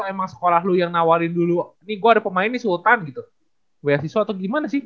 kalau emang sekolah lu yang nawarin dulu nih gue ada pemain nih sultan gitu biasiswa atau gimana sih